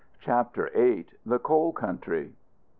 CHAPTER VIII. THE COAL COUNTRY.